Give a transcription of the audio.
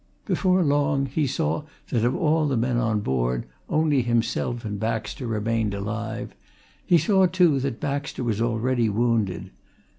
Before long he saw that of all the men on board, only himself and Baxter remained alive he saw, too, that Baxter was already wounded.